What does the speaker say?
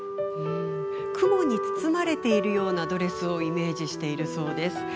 雲に包まれているようなドレスをイメージしているそうです。